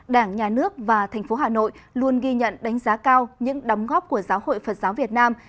đảng nhà nước và thành phố hà nội luôn ghi nhận đánh giá cao những đóng góp của giáo hội phật giáo việt nam